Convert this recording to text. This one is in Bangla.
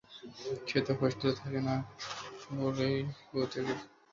সে তো হোস্টেলে থাকেই না বলতে গেলে।